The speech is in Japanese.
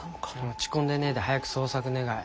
落ち込んでねえで早く捜索願い。